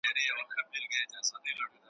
ملګرې هم لرې؟